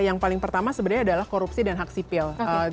yang paling pertama sebenarnya adalah korupsi dan hak sipil